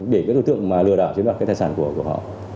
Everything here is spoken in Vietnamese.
để đối tượng lừa đảo chiếm đoạt cái thải sản của họ